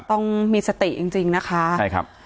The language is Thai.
ต้องมีสติจริงจริงนะคะใช่ครับ